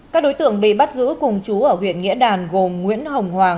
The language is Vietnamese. các đối tượng bị bắt giữ cùng chú ở huyện nghĩa đàn gồm nguyễn hồng hoàng